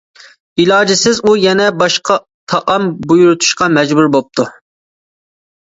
ئىلاجسىز ئۇ يەنە باشقا تائام بۇيرۇتۇشقا مەجبۇر بوپتۇ.